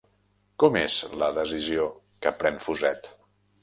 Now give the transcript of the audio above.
Com és la decisió que pren Fuset?